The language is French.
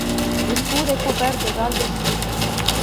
Ils sont recouverts de dalles de schiste.